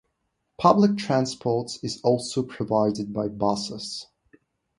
Public transport is also provided by buses.